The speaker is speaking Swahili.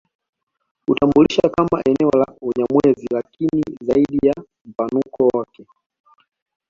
Hutambulisha kama eneo la Unyamwezi lakini zaidi ya mpanuko wake